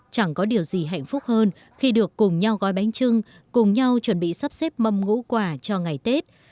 chẳng có điều gì hạnh phúc hơn khi được cùng nhau gói bánh trưng cùng nhau chuẩn bị sắp xếp mâm ngũ quả cho ngày tết